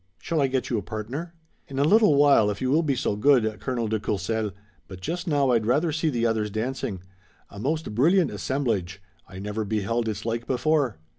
"Shall I get you a partner?" "In a little while, if you will be so good, Colonel de Courcelles, but just now I'd rather see the others dancing. A most brilliant assemblage. I never beheld its like before."